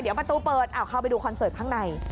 เดี๋ยวประตูเปิดเข้าไปดูคอนเสิร์ตข้างใน